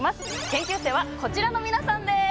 研究生はこちらの皆さんです！